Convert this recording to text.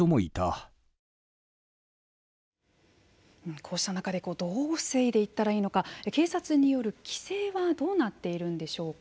こうした中でどう防いでいったらいいのか警察による規制はどうなっているんでしょうか。